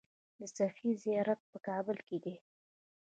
د سخي زیارت په کابل کې دی